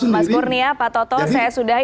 mas kurnia pak toto saya sudah